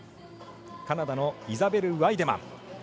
カナダのイザベル・ワイデマン。